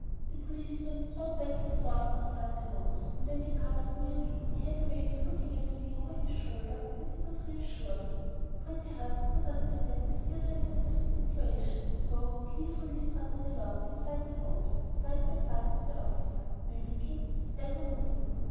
The policeman strode back and forth outside the ropes, and when he passed near me, he had a way of looking at me over his shoulder that did not reassure me. Pretty Heart did not understand the seriousness of the situation, so he gleefully strutted along inside the ropes, side by side with the officer, mimicking his every movement.